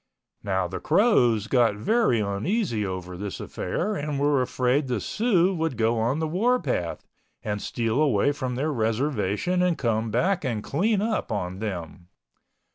Now the Crows got very uneasy over this affair and were afraid the Sioux would go on the warpath and steal away from their reservation and come back and clean up on them.